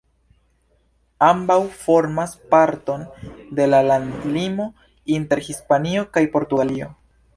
Ambaŭ formas parton de la landlimo inter Hispanio kaj Portugalio.